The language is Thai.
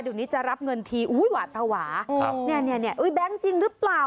เดี๋ยวนี้จะรับเงินทีอุ้ยหวาตวาแบงค์จริงหรือเปล่า